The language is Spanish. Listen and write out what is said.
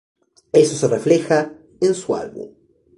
Eso se refleja en su álbum.